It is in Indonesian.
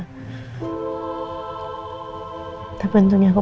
jadi dia masuk kesana untuk mengambil rena